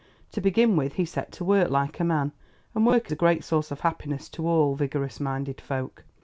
To begin with, he set to work like a man, and work is a great source of happiness to all vigorous minded folk.